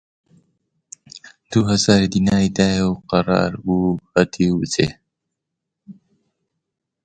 دوو هەزار دیناری دایە و قەرار بوو هەتیو بچێ